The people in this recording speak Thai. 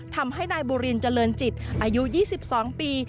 ทำให้นายบุรินเจริญจิตอายุ๒๒ปี